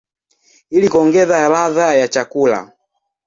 ili kuongeza ladha ya chakula.